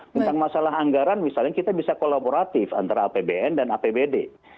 tentang masalah anggaran misalnya kita bisa kolaboratif antara apbn dan apbd